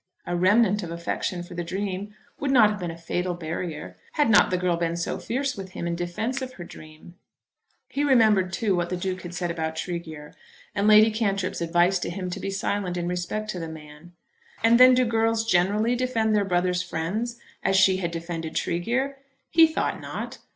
A remnant of affection for the dream would not have been a fatal barrier, had not the girl been so fierce with him in defence of her dream. He remembered, too, what the Duke had said about Tregear, and Lady Cantrip's advice to him to be silent in respect to this man. And then do girls generally defend their brothers' friends as she had defended Tregear? He thought not.